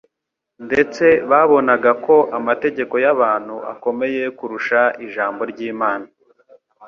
Ndetse babonaga ko amategeko y'abantu akomeye kurusha Ijambo ry'Imana